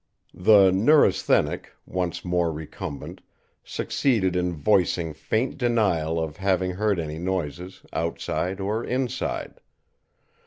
The neurasthenic, once more recumbent, succeeded in voicing faint denial of having heard any noises, outside or inside.